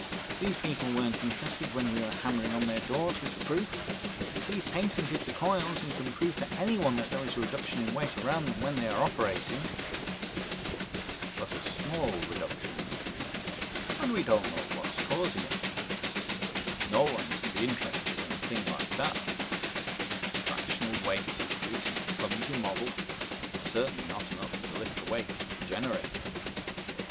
These people weren't interested when we were hammering on their doors with the proof. We've patented the coils and can prove to anyone that there is a reduction in weight around them when they are operating...." "But a small reduction. And we don't know what is causing it. No one can be interested in a thing like that a fractional weight decrease in a clumsy model, certainly not enough to lift the weight of the generator.